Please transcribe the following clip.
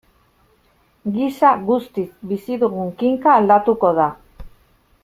Gisa guztiz, bizi dugun kinka aldatuko da.